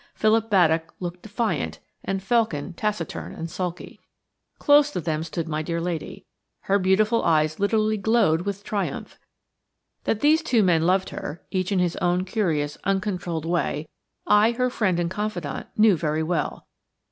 Philip Baddock looked defiant, and Felkin taciturn and sulky. Close to them stood my dear lady. Her beautiful eyes literally glowed with triumph. That these two men loved her, each in his own curious, uncontrolled way, I, her friend and confidant, knew very well.